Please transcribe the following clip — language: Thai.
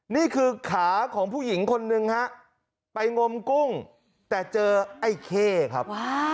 นี่คือขาของผู้หญิงคนหนึ่งฮะไปงมกุ้งแต่เจอไอ้เข้ครับ